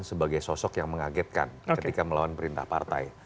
sebagai sosok yang mengagetkan ketika melawan perintah partai